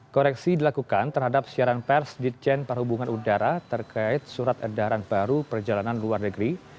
koreksi dilakukan terhadap siaran pers ditjen perhubungan udara terkait surat edaran baru perjalanan luar negeri